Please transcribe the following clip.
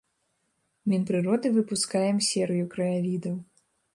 Мінпрыродай выпускаем серыю краявідаў.